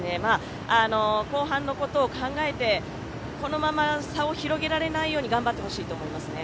後半を考えてこのまま差を広げられないように頑張ってほしいですね。